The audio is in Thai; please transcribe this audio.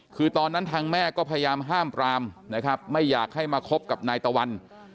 คือตอนนั้นทางแม่ก็พยายามห้ามปรามนะครับไม่อยากให้มาคบกับนายตะวัน